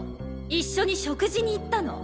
一緒に食事に行ったの。